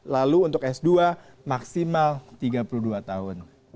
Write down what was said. lalu untuk s dua maksimal tiga puluh dua tahun